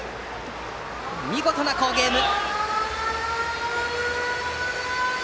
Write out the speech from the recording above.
見事な好ゲーム！